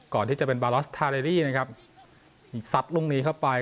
ก่อนที่จะเป็นนะครับสัดลงนี้เข้าไป